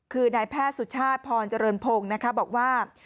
คือนายแพทย์สุชาติพรจริงพงษ์บอกว่า